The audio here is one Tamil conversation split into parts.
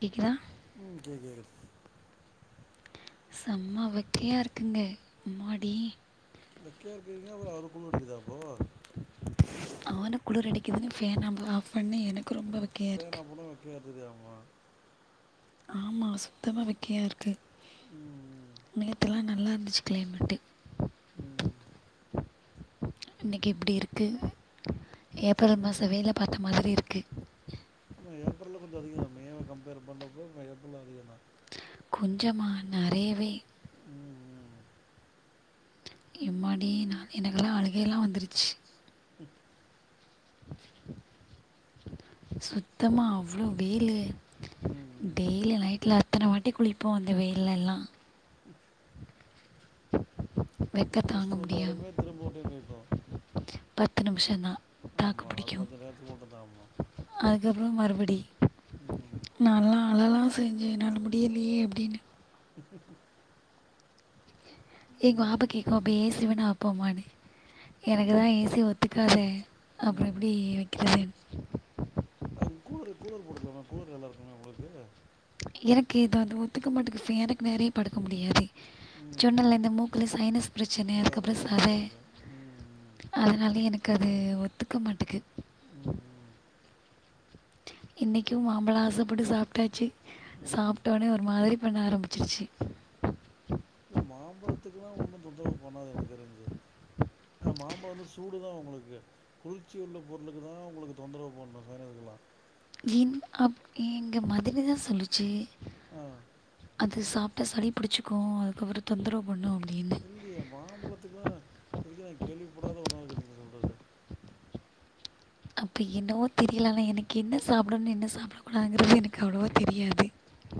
கேட்குதா உம் கே கேக்குது செம்மா வெக்கையா இருக்குங்க அம்மாடி வெக்கயா இருக்குறீங்கனா அப்புறொ அவ்ளோ குளுர் எடுக்குதா அப்போ நானு குளுரடிக்குதுன்னு ஃபேன் [unintelligible] ஆஃப் பண்ணி எனக்கு ரொம்ப ஓ வெக்கையாக ஃபேன இருக்குது ஆஃப் பண்ணா வெக்கயா இருக்குதாமா ஆமா சுத்தமா வெக்கையா இருக்கு ம் நேத்தெல்லா நல்லா இருந்துச்சு கிளைமேட்டு உம் இன்னைக்கு இப்டி இருக்கு ஏப்ரல் சரி மாச வேல பாத்த மாதிரி இருக்கு கு ஏப்ரல்ல கொஞ்ச அதிகம் மேவ கம்பேர் பண்றப்போ ஏப்ரல்ல அதிகந்தா கொஞ்சமா நெறயவே ம் எம்மாடி நா எனக்கெல்லா அழுகையிலா வந்துருச்சு கு சுத்தமா அவ்ளோ வெயிலு ம் ம் டெய்லி நைட்ல எத்தன வாட்டி குளிப்போ அந்த வெயில எல்லா வெக்கை தாங்க குளிச்சிட்டு முடியாது வந்தாலுமே திரும்ப ஒரு டைம் வேக்கும் பத்து நிமிஷந்தா தாக்கு புடிக்கு நேரத்துக்கு மட்டும் தான் ஆமாம் அதுக்கப்புற மறுப படி ம் நாலா அழலா செஞ்சன் என்னால முடியலையே அப்படின்னு எங்க என்ன வாப்ப நம் கேக்கு அப்பே ஏ சி வேனா போமானு எனக்குதா ம் ஏ சி ஒத்துக்காதே அப்புற எப்புடி வக்கிறது அதுக்கு கூலர் கூலர் போட்டுக்கலாமே கூலர் நல்லா இருக்குமே உங்களுக்கு எனக்கு இது வந்து ஒத்துக்க மாட்டக்கு ஃபேனுக்கு நேறே படுக்க முடியாது ம் சொன்ன இல்ல ம் இந்த மூக்குல சைனஸ் பிரச்சனை அதான் அதான் அதுக்கப்புறம் சத சைனஸ் இருக்குது ம் ம் அதனால எனக்கு கது ஒத்துக்க மாட்டேக்கு ம் ம் இன்னிக்கூ மாம்பழோ ஆசப்பட்டு சாப்ட்டாச்சி ம் ம் சாப்ட்டோனே ஒரு மாரி பண்ண ஆரம்பிச்ரிச்சி மாம்ழத்துக்ல்லா ஒன்னு தொந்ரவு பண்ணாது எனக்கு தெரிஞ்ஜி ஆ மாம்ழோ வந்து சூடுதா உங்ளுக்கு குளிர்ச்சி உள்ள பொருளுக்கு தா உங்ளுக்கு தொந்தரவு பண்ணு ஸைனஸ்க்ல்லா இம் அப் எங்க மதனி சொல்லிச்சி ஆ அது சாப் ட்டா சளி புடிச்சிக்கு அதுக்கப்ரோ தொந்தரவு பண்ணு அப்டி இல்லியே மாம்ழத்துக்லா இதுவரைக்கு கேள்விப்படாத ஒன்னால இருக்கு நீங்க சொல்றது அப்ப என்னவோ தெரியல எனக்கு என்ன சாப்டனு என்ன சாப்ட கூடாதுங்றது எனக்கு அவ்ளவோ தெரியாது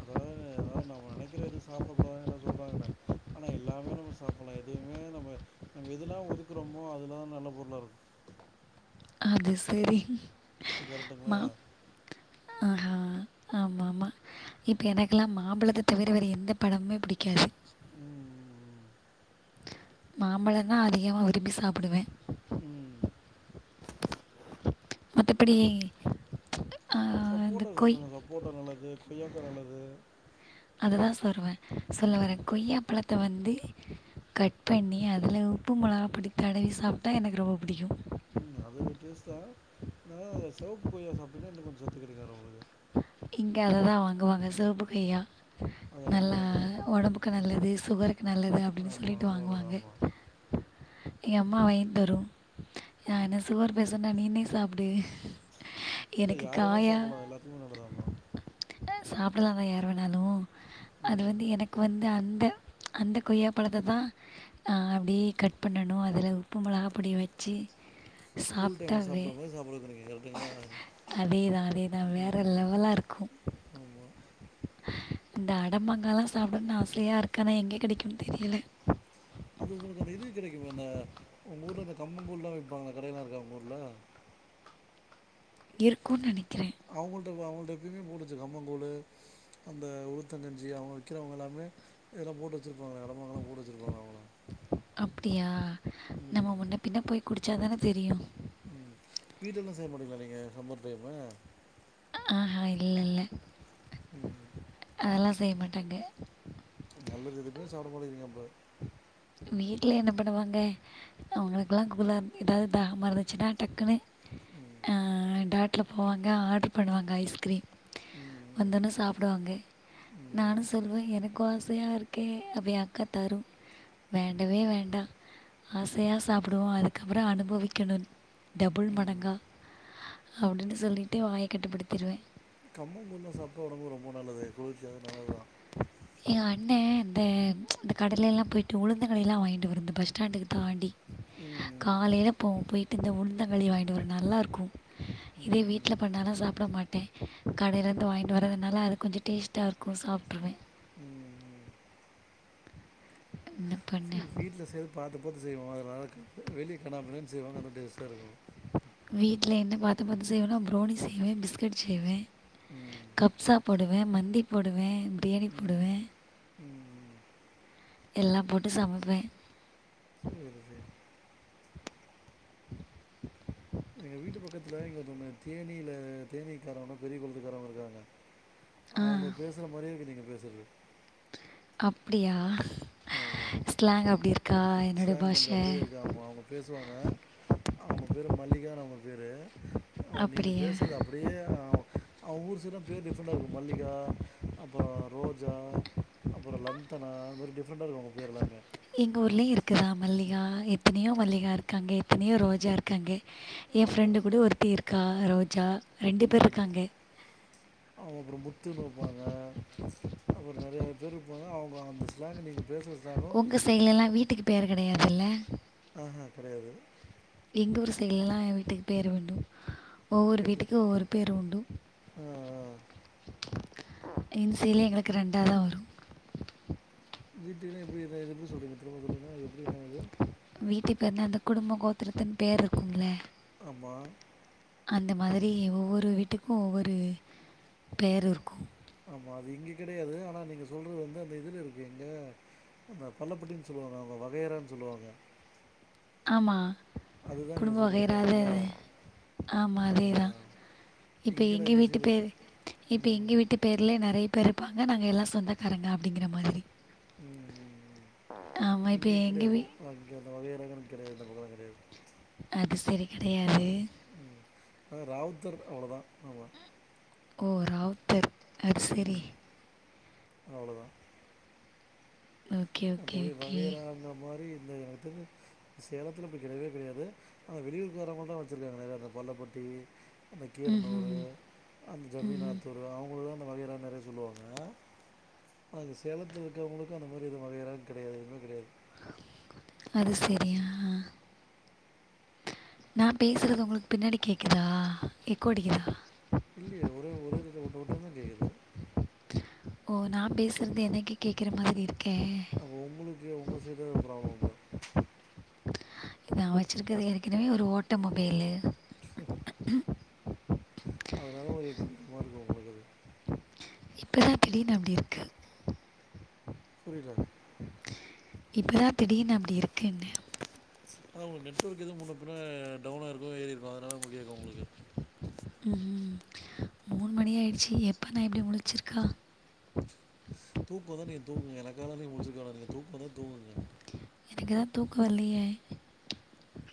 அதாவது அதாவது நம்ம நெனைக்கிற எதும் சாப்பிடக்கூடாதுன்னு எல்லா சொல்றாங்கல்ல ஆனா எல்லாமே நம்ம சாப்ட்லா எதுவுமே நம்ம நம்ம எதுலா ஒதுக்றோமோ அதலா நல்ல பொருளா இருக்கு அது சரி கரெக்ட்டுங்களா ம ஆஹ ஆமா ஆமா இப்ப எனக்ல்லா மாம்பழத்த தவிர வேற எந்த பழமுமே புடிக்காது ம் ம் ம் மாம்பழனா அதிகமா விரும்பி சாப்டுவே ம் மத்தபடி சப்போட்டா சாப்டுங்க சப்போட்டா நல்லது கொய்யா கா நல்லது அதுதா சொருவே சொல்லவரே ம் கொய்யா பழத்த வந்து ந்து கட் பண்ணி அதுல உப்பு மொளகாபடி தடவி சாப்ட்டா எனக்கு ரொம்ப புடிக்கு ம் அது டேஸ்ட் தா இருந்தாலு செவப்பு கொய்யா சாப்டிங்னா இன்னோ கொஞ்ஜோ சத்து கெடைக்கு உங்ளுக்கு இங்க அதுதா வாங்குவாங்க செவப்பு கொய்யா அது ரொம்ப நல்லா நல்லது ஒடம்புக்கு ம் நல்லது சுகர்க்கு நல்லது அப்டின்னு ஆமாம் சொல்லிட்டு ரொம்ப நல்லது வாங்குவாங்க ஆமாம் எங்க அம்மா வாங்கி தரு நா என்ன சுகர் பேஸன்டா நீனே சாப்டு இல்ல யாரு வேன சாப்புலா எல்லாதுகுமே நல்லதாம் சாப்டதா வயறு நானு அது ம் வந்து எனக்கு வந்து அந்த அந்த கொய்யாப்பழத்த தா அஹ் அப்டியே கட் பண்ணணு அதுல உப்பு மொளகா பொடிய வச்சி ஸ்கூல் டைம்ல சாப்ட்ட மாரி சாப்ட [unintelligible] அதேதா அதேதா வேற லெவலா இருக்கு ஆமாம் இந்த அடமாங்காலா சாப்டணுனு ஆசையா இருக்கு ஆனா எங்க கெடைக்குனு தெரியல அது உங்களுக்கு ந்த இது கெடைக்குமா இந்த உங்க ஊர்ல இந்த கம்மங்கூழ்ல வப்பாங்க கடையிலா இருக்க உங்க ஊர்ல இருக்கு நெனைக் அவுங்குள் அவங்கள்ட எப்பயுமே போட்டு வெச்சுருப் கம்மங்கூழு அந்த உளுத்தங்கஞ்சி அவுங்க விக்கிறவங்க எல்லாமே இதெல்லா போட்டு வச்சிருப்பாங்களே [unintelligible] போட்டு வச்சிருப்பாங்களே அவுங்களா அப்டியா நம்ம முன்ன பின்ன போய் குடிச்சா தான தெரியு உம் வீட்ல எல்லா செய்ய மாடிங்கலா நீங்க சம்மர் டைம்மு ஆஹா இல் இல்ல ம் அதெல்லா செய்ய மாட்டாங்க நல்லது இதுக்குமே சாப்ட மாட்டிங்றிங்க அப்ப வீட்டுல என்ன பண்ணுவாங்க அவங்களுக்குல்லா கூலா ஏதாது தாகமா இருந்துச்சுன்னா டக்குன்னு அஹ் டாட் ட்டில போவாங்க ஆடரு பண்ணுவாங்க ஐஸ்கிரீம் ம், வந்தோன்ன சாப்பிடுவாங்க ம், நானு சொல்லுவே எனக் கோ ஆசயா இருக்கே அப்படியே எ அக்கா தரும் வேண்டவே வேண்டா ஆசையா சாப்புடுவோ அதுக்கப்புற அனுபவிக்கணுனு டபுள் ம். மடங்கா அப்டினு சொல்லிட்டு வாய கட்டுப்படுத்திருவே கம்மங்கூழ்லா சாப்ட்டா உடம்புக்கு ரொம்ப நல்லது ஃப்ரூட்ஸ் எடுக் நல்லதுதா எங்க அண்ணே இந்த அந்த கடலலெல்லா போய்ட்டு உளுந்தங்களில்லா வாங்கிட்டு வரு இந்த பஸ் ஸ்டாண்டுக்கு தாண்டி ம் காலையில போவோ போய் ட்டு இந்த உளுந்தங்களி வாங்கிட்டு வரு நல்லாருக்கு இதே ம் வீட்ல பண்ணானா சாப்ட மாட்டே கடைலருந்து வாங்கிட்டு வரதுனால அது கொஞ்ச டேஸ்ட்டா இருக்கு சாப்ட்ருவ ம் இன்ன சி வீட்ல செய்றது பாத்து பாத்து செய்வோ அதனால [unintelligible] வெளிய கன்னா பின்னான் செய்வாங்க ஆனா டேஸ்ட்டா இருக்கு லே என்ன பாத்து பாத்து செய்வன்னா ப்ரௌனி செய்வே பிஸ்கெட் செய்வே ம், சாப்புடுவே மந்தி போடுவே பிரியாணி ம், போடுவே ம். எல்லாம் போட்டு சமைப்பே சரி சரி ம தேனீல தேனீ காரவ்னா பெரிய கொளத்துக்காரவ்ங்க இருக்காங்க ஆ அவுங்க பேசுற மாரியே இருக்கு நீங்க பேசுறது அப்டியா ஸ்லாங் அப்டி இருக்கா என்னோட ஸ்லாங் பாஷ அவுங்க பேரு மல்லிகானு அவுங்க பேரு ஓ நீங்க அப்படியா பேசுறது அப்டியே ஆவ் அவ்ங் ஊர் சைட்லா பேர் டிஃப்ரெண்டா இருக்கு மல்லிகா அப்பறொ ரோஜா அப்பறொ லந்த்தனா த மாரி டிஃப் ரண்ட்டா இருக்கு அவுங்க பேர் எல்லாமே எங்க ஊர்லயு இருக்குதா மல்லிகா எத்தனையோ மல்லிகா இருக்காங்க எத்தனையோ ரோஜா இருக்காங்க ஏ ஃப்ரெண்டு ஆமாம் கூட ஒருத்தி இருக்கா ரோஜா ரெண்டு பேர் ம் இருக்காங்க அவ அப்றொ முத்துனு இருப்பாங்க அப்றொ நறையா பேர் இர்ப்பாங்க அவுங்க அந்த ஸ் ஸ்லாங்கு நீங்க உங்க சைட்லல்லா வீட்டுக்கு பேரு கெடையாதுல்ல ஆஹா கடையாது எங்க ஊர் செய்ட்லல்லா ஏ வீட்டுக் பேரு உண்டு ஒவ்வொரு எப்படி வீட்டுக்கு ஒவ்வொரு பேரு உண்டு ஆ இந் செய்ட்ல எங்களுக்கு ரெண்டாதா வரு வீட்டுக்குனா எப்டி என்ன இது எப்டி சொல்றீங்க ப்ரோ சொல்றீங்க அது எப்டி என்னாது வீட்டு பேர்னா அந்த குடும்பொ கோத்துரத்துன் பேர் இருக்கும்ல ஆமா அந்த மாதிரி ஒவ்வொரு வீட்டுக்கு ஒவ்வொரு பேர் இருக்கு ஆமா. அது இங்க கெடையாது ஆனா நீங்க சொல்றது வந்து அந்த இதுலருக்கு எங்க அந்த பல்லப்பட்டினு சொல்வாங்க அவுங்க வகையறானு சொல்வாங்க ஆமா நீங்க குடும்ப சொல்றீங்க. வகையராது கரெக்ட்டுங்களா? ஆமா ஆ. அதேதா இப்ப இங்கலாம் எங்க இந்த வீட்டு சைடு பேர் இப்ப எங்க வீட்டு பேர்ல நெறைய பேரு பாங்க நாங்க எல்லா சொந்தக்காரங்க அப்படிங்கிற மாதிரி ம். ம். ஆமா இப்ப எங்கவி இந்த வகையார [unintelligible] கெடையது இந்த பக்கலா கெடையது அது செரி கெடையாது [inaudible] ராவுத்தர் அவ்ளோ தா அவ ஓ ராவுத்தர் அத் செரி அவ்ளோ தா ஓகே ஓகே அதுவே ஓகே வகையரா அந்த மாரி இந்த எனக்கு தெரிஞ்சி சேலத்துல இப்டி கெடையவே கெடையாது ஆனா வெளியூர்கு வரவங்கள தா வச்சுருக்காங்க நெறைய இந்த பள்ளப்பட்டி அந்த கீரனூர் ம் அந்த ம் ஜமீநாத்தூர் அவங்கள தா நம் வகையரா நெறைய சொல்லுவாங்க ஆனா இந்த சேலத்துல இருக்கவங்களுக்கு அந்த மாரி எது வகையரா கெடயாதுங்க கெடையாது அது செரியா நா பேசுறது உங்களுக்கு பின்னாடி கேக்குதா எக்கோ அடிக்குதா இல்லியே ஒரே ஒரு விச ஒட்ட ஒட்ட தா கேக்குது ஓ நா பேசர்தே எனக்கே கேக்குற மாதிரியிருக் கே இதுவே உங்க சைட்தா ப்ராப்ளம்ங்க நா வச்சுருக்கறது ஏற்கனவே ஒரு ஓட்ட மொபைலு அதனால உங்களுக்கு எக்கோ கேக்குமா இருக்கு உங்களுக்கு அது [inaudible] இப்போ தான் திடீர்னு அப்படி இருக்கு புரில இப்பதா திடீர்னு அப்டி இருக்குன்ன அதா உங்ளுக்கு நெட்ஒர்க் எது முன்ன பின்ன டவுனா இருக்கு ஏரிருக்கு அதனால உங்ளுக்கு கேக்கு உங்ளுக்கு ம் ம் மூணு மணி ஆயிடுச்சு எப்போ நா இப்டி முழுச்சிருக்கா தூக்கோ வந்தா நீங் தூங்குங்க எனக்கு எங்கால முழுச்சுருக்க வேண்டா நீங்க தூக்கோ வந்தா தூங்குங்க எனக்கு தா தூக்கோ வர்ல்லயே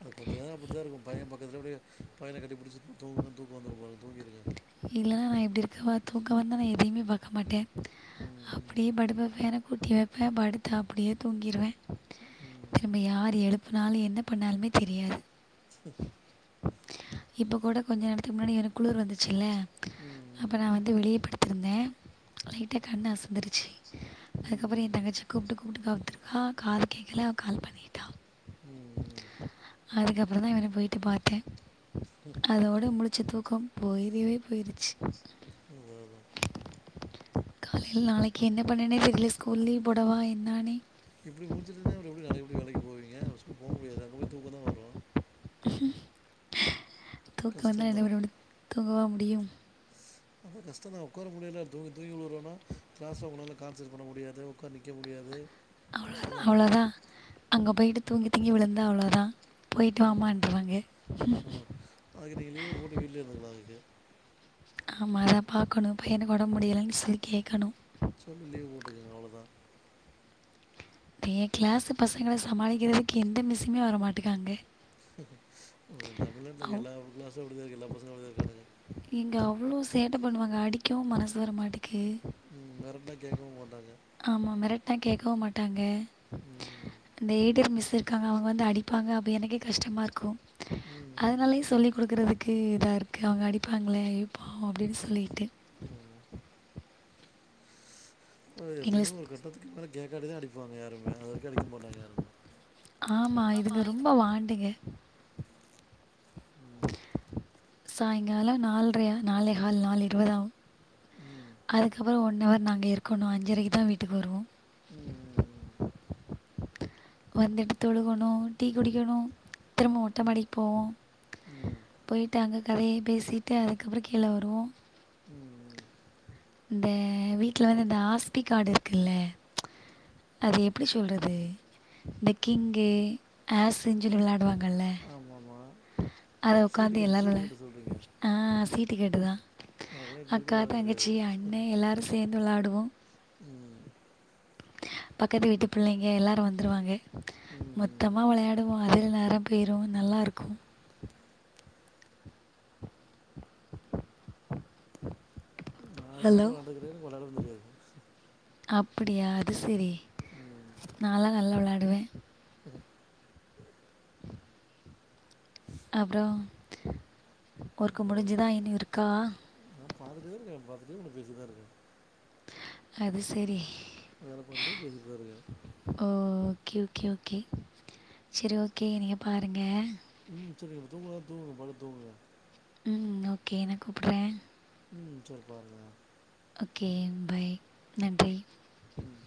அது கொஞ்சோ நேரோ அப்டிது இருக்கு பைய பக்கத்துலேயே அப்டியே பையன கட்டிப்புடிச்சுட்டு தூங்குங்க தூக்கோ வந்துரு உங்களுக் தூங்கிருங்க ப்டி இருக்கவா தூங்கவாந்தா நா எதயுமே பாக்க மாட்டே ம், அப்புடியே படுப்ப பேர கூட்டி வெப்பே படுத்த அப்புடியே தூங்கிருவே திரும்ப யாரு எழுப் பு நாலு என்ன பண்ணாலுமே தெரியாது இப்போ கூட கொஞ்சோ நேரத்துக்கு முன்னாடி எனக் குளுர் வந்துச்சுல்ல ம், அப்ப நா வந்து வெளியேப் படுத் இருந்தே லைட்டா கண்ணு அசந்துருச்சு ம், ம், அதுக்கப்பறோ ம், என் தங்கச்சி கூப்ட்டு கூப்புட்டு பா துர்கா காது கேக்கல அவ கால் பண்ணிட்டா ம், ம். அதுக்கப்பறோ தா இவன போயிட்டு பாத்தே அதோட முழுச் ச்சி தூக்கம் போயிரிவே போயிருச்சு அதான், அதான் காலைல நாளைக்கி என்ன பண்ணனே தெர்ல ஸ்கூல் லீவ் போடவா என்னான்னே இப்டி முழுச்சுட்ருந்தா அப்றோ எப்டி [unintelligible] ப்புடி வேலைக்கி போவீங்க அ ஸ்கூல் போக முடியாது அங்க போய் தூக்கோ தா வரு தூக்க வந்தா என்ன கஷ்டம்தான் பண்ண முடியு தூங்கவா மு டியும் அதா கஷ்டோதா உக்கார முடியல தூங்கி தூங்கி உழுவுறோன்னா க்ளாஸ்ல உங்கனால கான்செட் பண்ண முடியாது உக்கார் நிக்க முடியாது அவ்ளோதா கஷ்டம் தான் அவ்ளோதா அங்க போயிட்டு தூங்கி தூங்கி விழுந்தா அவ்ளோ தா ம் ஓக் அதுக்கு நீங்க லீவு போட்டு வீட்லே இருந்துகுலா அதுக்கு ஆமா அதா பாக்கணு பையனக்கு ஒடம்பு முடியலைன் சொல்லி கேக்கணு சொல்லி லீவ் போட்டுகுங்க அவ்ளோ தா ஏன் கிளாஸு பசங்கள சமாளிக்கிறதுக்கு எந்த மிஸுமே வர மாட்டிக்காங்க உங்க தமிழ்நாட்ல இக்க எல்லா கிளாஸும் அப்டிதா இருக்கு எல்லா பசங்களும் அப்புடிதா இருக்கானுங்க எவ்ளோ சேட்ட பண்ணுவாங்க அடிக்கவும் மனசு வர மாட்டிக்கி ம் மெரட்னா கேக்கவும் மாட்டாங்க ஆமா மெரட்னா கேக்கவும் மாட்டாங்க ம், டேடர் மிஸ் திர்க்காங்க அவங்க வந்து அடிப்பாங்க அப்போ எனக்கே கஷ்டமா இருக்கும் ம், அதனாலே சொல்லி குடுக்கறதுக் க்கு இதா இருக்கு அவங்க அடிப்பாங்களே இப்பவு அப்புடின்னு சொல்லிட்டு ம், ம். ஒரு [unintelligible] ஒரு கட்டத்துக்கு மேலக் கேக்காதத அடி ஆமா இதுங்க ரொம்பா வாண்டுக ம் சாய்ங்காலோ நால்ரையா நாலே கால் நால் இருவதாகு ம் அதுக்கப்புறோ ஒன்னு ஹார் நா அங்க இருக்கணு அஞ்சுரைக்குதா வீட்டுக் வருவோ உம் உம் உம் வந்துட்டு தொழுகணு டீ குடிக்கணு திரும்ப ம் மொட்டமாடிக்கு போவோ ம் போய்ட்டு அங்க கதைய பேசிட்டு அதுக்கப்புறோ கீழ வருவோ உம் உம் இந்த வீட்ல வந்து இந்த ஆஸ்தி காடு இருக்குல்ல அது எப்டி சொல்றது இந்த கிங்கு ஆஸின் சொல்லி விளாடுவாங்கல்ல ஆமாம் ஆமாம் அத சீட்டு உக்காந்து கட்டு எல்லாலுல சீட்டு கட்டு சொல்கிறீங்க ஆஹ் சீட் டி கெட்டு தா எனக்கெல்லாம் இப்போ வரைக்கும் அக்கா விளையாட தெரியாது தங்கச்சி அண்ணே எல்லாரு சேந் விளாடுவோ உம் பக்கத்து வீட்டு பிள்ளேங்க எல்லாரு வந்துருவாங்க ம் ம். மொத்தமா விளையாடுவோ அதுல நேரம் பேய்ரு நல்லா இருக்கு நா இது வரைக்கு ஹலோ விளாண்டது கிடையாது எனக்கு விளாடவு தெரியாது அப்பிடியா அது செரி ம் நாலா நல்லா விளா டுவே அப்றோ ஒர்க்கு முடிஞ்சுதா இன்யு இருக்கா நா பாத்துட்டே இருக்கே பாத்துட்டே உங்கட் பேசிட் தா இருக்க அது செரி வேல பாத்துட்டே பேசிட் தா இருக்க ஓ! ஓகே ஓகே ஓகே செரி ஓகே நீங்க பாருங்க ம் சரி தூங்குறதா தூங்குங்க படுத் தூங்குங்க உம் ஓகே நா கூப்புட்றே உம் சேரி பாருங்க ஓகே பய் நன்றி உம்